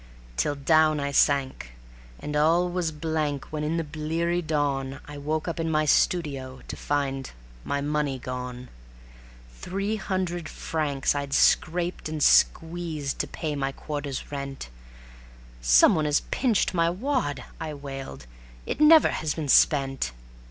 Till down I sank, and all was blank when in the bleary dawn I woke up in my studio to find my money gone; Three hundred francs I'd scraped and squeezed to pay my quarter's rent. "Some one has pinched my wad," I wailed; "it never has been spent."